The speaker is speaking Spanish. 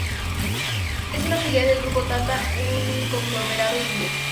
Es una filial del Grupo Tata, un conglomerado indio.